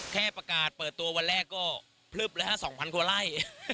แค่ประกาศเปิดตัววันแรกก็พลึบเลยห้าสองพันกว่าไร่